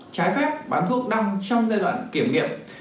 trái phép bán thuốc đăng trong giai đoạn kiểm nghiệm